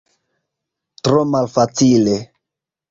Tro malfacile.